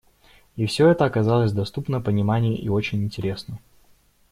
И всё это оказалось доступно пониманию и очень интересно.